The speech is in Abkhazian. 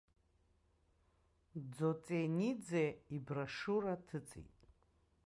Ӡоҵениӡе иброшиура ҭыҵит.